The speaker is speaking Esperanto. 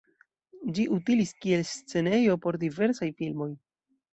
Ĝi utilis kiel scenejo por diversaj filmoj.